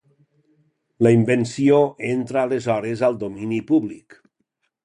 La invenció entra aleshores al domini públic.